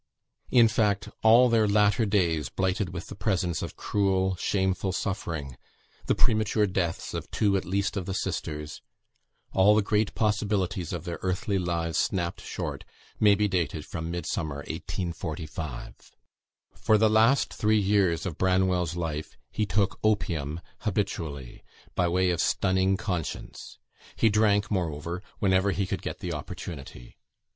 In fact, all their latter days blighted with the presence of cruel, shameful suffering, the premature deaths of two at least of the sisters, all the great possibilities of their earthly lives snapped short, may be dated from Midsummer 1845. For the last three years of Branwell's life, he took opium habitually, by way of stunning conscience; he drank moreover, whenever he could get the opportunity.